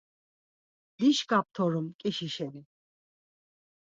Dişǩa ptorum. ǩişi şeni.